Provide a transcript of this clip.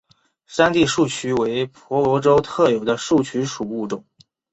山地树鼩为婆罗洲特有的树鼩属物种。